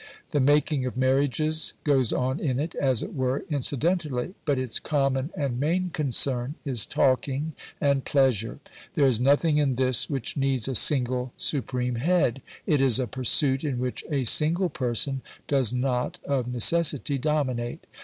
The making of marriages goes on in it, as it were, incidentally, but its common and main concern is talking and pleasure. There is nothing in this which needs a single supreme head; it is a pursuit in which a single person does not of necessity dominate.